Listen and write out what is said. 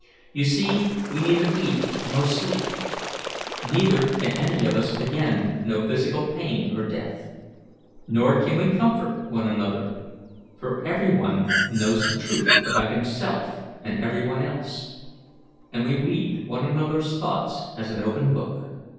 You see we neither eat nor sleep, neither can any of us again know physical pain or death, nor can we comfort one another, for every one knows the truth about himself and every one else, and we read one another's thoughts as an open book."